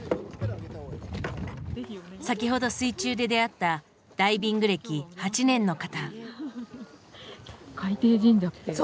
先ほど水中で出会ったダイビング歴８年の方。